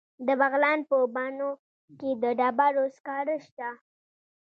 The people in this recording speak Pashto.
د بغلان په بنو کې د ډبرو سکاره شته.